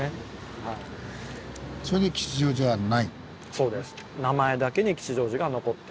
そうです。